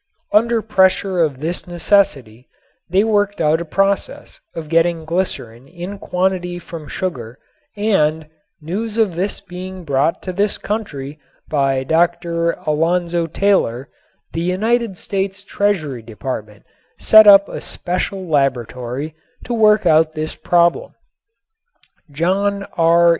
Under pressure of this necessity they worked out a process of getting glycerin in quantity from sugar and, news of this being brought to this country by Dr. Alonzo Taylor, the United States Treasury Department set up a special laboratory to work out this problem. John R.